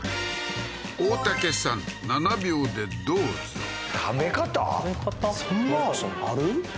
大竹さん７秒でどうぞそんなある？